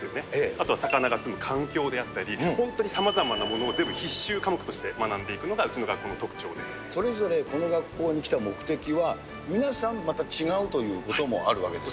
あとは魚が住む環境であったり、本当にさまざまなものを全部必修科目として学んでいくのがうちのそれぞれこの学校に来た目的は、皆さん、また違うということもあるわけですよね。